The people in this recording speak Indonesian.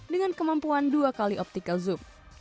dengan kemampuan dua kali optical zoom